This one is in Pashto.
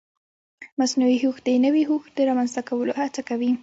مصنوعي هوښ د نوي هوښ د رامنځته کولو هڅه کوي.